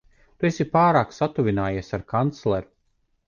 Tu esi pārāk satuvinājies ar kancleru.